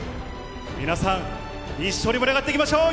皆さん、一緒に盛り上がっていきましょう！